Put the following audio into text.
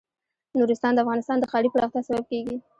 نورستان د افغانستان د ښاري پراختیا سبب کېږي.